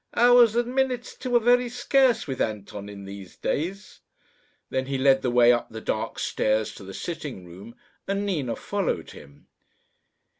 Hours, and minutes too, are very scarce with Anton in these days. Then he led the way up the dark stairs to the sitting room, and Nina followed him.